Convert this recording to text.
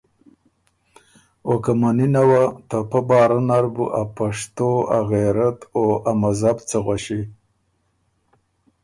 او که منِنه وه، ته پۀ بارۀ نر بُو ا پشتو ا غېرت او ا مذهب څه غؤݭی۔